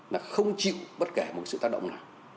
là không chịu bất kể một sự tác động nào